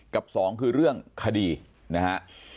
กับสองคือเรื่องคดีนะฮะ